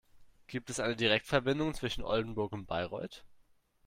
Gibt es eine Direktverbindung zwischen Oldenburg und Bayreuth?